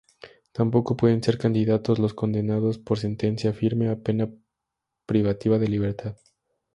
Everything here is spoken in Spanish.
Tampoco pueden ser candidatos los condenados por sentencia firme a pena privativa de libertad.